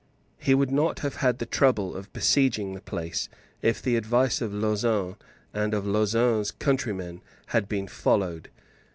He would not have had the trouble of besieging the place, if the advice of Lauzun and of Lauzun's countrymen had been followed.